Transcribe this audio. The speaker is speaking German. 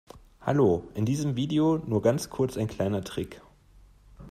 Hallo, in diesem Video nur ganz kurz ein kleiner Trick.